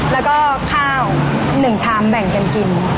แล้วก็ข้าว๑ชามแบ่งกันกิน